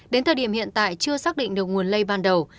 đến thời điểm hiện tại chưa xác định được nguồn lây ban đầu